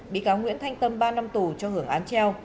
bị cáo nguyễn thanh tâm ba năm tù cho hưởng án treo